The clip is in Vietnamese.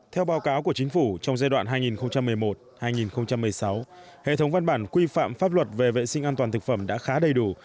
theo báo cáo của chính phủ trong giai đoạn hai nghìn một mươi một hai nghìn một mươi sáu hệ thống văn bản quy phạm pháp luật về vệ sinh an toàn thực phẩm đã khá đầy đủ